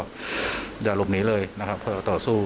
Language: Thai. อย่าหลบหนีเลยนะครับเพื่อต่อสู้